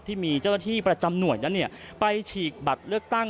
ที่มีเจ้าหน้าที่ประจำหน่วยนั้นไปฉีกบัตรเลือกตั้ง